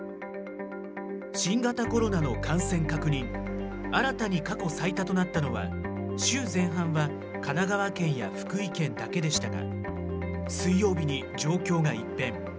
新型コロナの感染確認、新たに過去最多となったのは、週前半は神奈川県や福井県だけでしたが、水曜日に状況が一変。